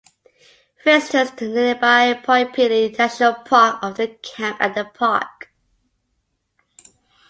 Visitors to nearby Point Pelee National Park often camp at the park.